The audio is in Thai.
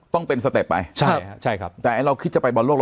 ต้องเป็นสเต็ปไปใช่ฮะใช่ครับแต่ไอ้เราคิดจะไปบอลโลก